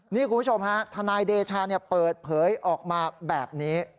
นี่คุณผู้ชมฮะทนายเดชาเปิดเผยออกมาแบบนี้